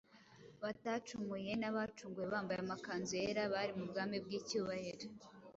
batacumuye n’abacunguwe bambaye amakanzu yera bari mu bwami bw’icyubahiro.